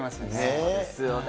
そうですよね。